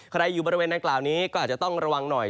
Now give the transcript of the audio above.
อยู่บริเวณดังกล่าวนี้ก็อาจจะต้องระวังหน่อย